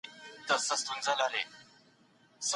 که صبر ونسي، پایله به ښه نه وي.